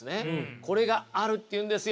これがあるっていうんですよ。